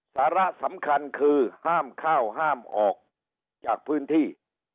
สาระสำคัญคือห้ามเข้าห้ามออกจากพื้นที่